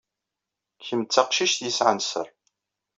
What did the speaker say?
Kemm d taqcict yesɛan sser.